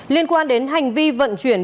liên quan đến hành vi vận chuyển